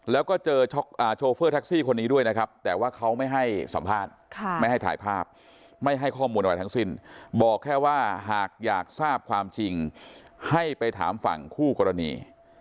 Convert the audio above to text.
แล้วก็เจอโชเฟอร์แท็กซี่คนนี้ด้วยนะครับแต่ว่าเขาไม่ให้สัมภาษณ์ไม่ให้ถ่ายภาพไม่ให้ข้อมูลอะไรทั้งสิ้นบอกแค่ว่าหากอยากทราบความจริงให้ไปถามฝั่งคู่กรณี